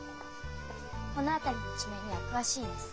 この辺りの地名には詳しいんです。